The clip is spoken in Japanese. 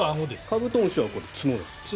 カブトムシは角ですね。